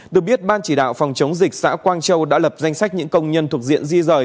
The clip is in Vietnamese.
được biết ban chỉ đạo phòng chống dịch xã quang châu đã lập danh sách những công nhân thuộc diện di rời